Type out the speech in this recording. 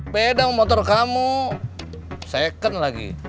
beda motor kamu second lagi